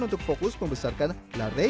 untuk fokus membesarkan keuangan mereka